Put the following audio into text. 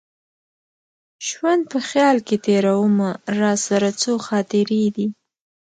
ژوند په خیال کي تېرومه راسره څو خاطرې دي